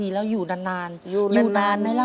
แล้วอยู่นานอยู่นานอยู่นานไหมล่ะ